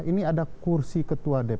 ini ada kursi ketua dpr